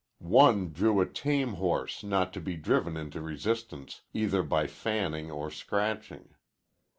One drew a tame horse not to be driven into resistance either by fanning or scratching.